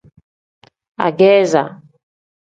Ageeza.